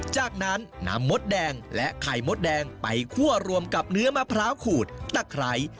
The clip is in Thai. จากนั้นนำมดแดงและไข่มดแดงไปคั่วรวมกับเนื้อมะพร้าวขูดตะไคร้